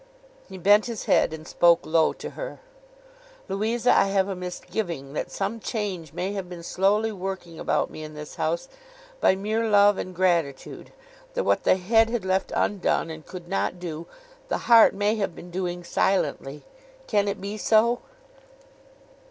He bent his head, and spoke low to her. 'Louisa, I have a misgiving that some change may have been slowly working about me in this house, by mere love and gratitude: that what the Head had left undone and could not do, the Heart may have been doing silently. Can it be so?